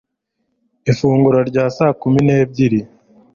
ifunguro rya saa kumi n'ebyiri